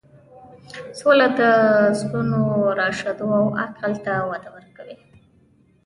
سوله د زړونو راشدو او عقل ته وده ورکوي.